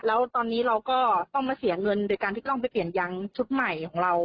แล้วตอนนี้เราก็ต้องมาเสียเงินโดยการที่กล้องไปเปลี่ยนยางชุดใหม่ของเรา